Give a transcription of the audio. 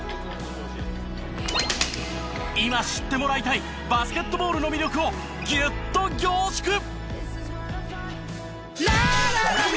今知ってもらいたいバスケットボールの魅力をギュッと凝縮！